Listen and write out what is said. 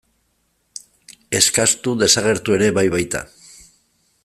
Eskastu desagertu ere bai baita.